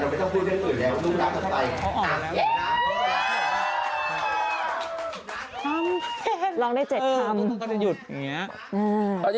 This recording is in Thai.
เราไม่ต้องพูดเรื่องอื่นแล้วลูกรักกันไป